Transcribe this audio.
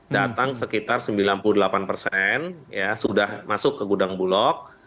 datang sekitar sembilan puluh delapan persen sudah masuk ke gudang bulog